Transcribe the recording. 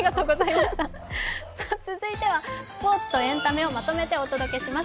続いてはスポーツとエンタメをまとめてお送りします。